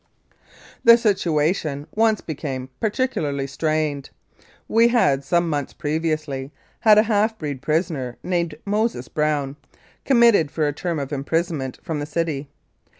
The situation once became particularly strained. We had, some months previously, had a half breed prisoner named Moses Brown, committed for a term of imprison ment from the city.